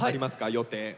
予定。